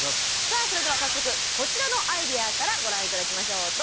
さあそれでは早速こちらのアイデアからご覧頂きましょう。